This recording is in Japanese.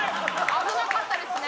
危なかったですね。